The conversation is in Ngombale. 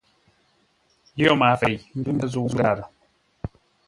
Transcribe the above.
Yo maafei, ngʉ̌ məzə̂u ngârə.